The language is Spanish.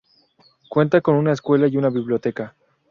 Cuenta con una escuela y una biblioteca.